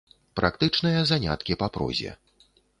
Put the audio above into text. Практычныя заняткі па прозе.